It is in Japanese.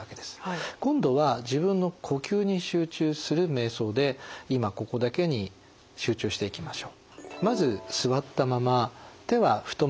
今度は自分の呼吸に集中するめい想で今・ここだけに集中していきましょう。